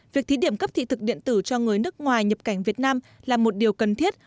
việc thí điểm cấp thị thực điện tử cho người nước ngoài nhập cảnh việt nam là một điều cần thiết